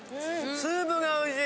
スープがおいしい。